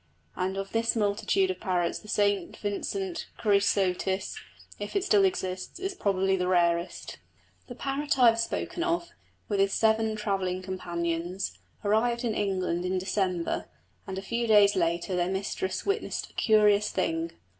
And of this multitude of parrots the St Vincent Chrysotis, if it still exists, is probably the rarest. The parrot I have spoken of, with his seven travelling companions, arrived in England in December, and a few days later their mistress witnessed a curious thing.